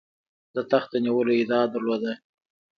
د تخت د نیولو ادعا درلوده.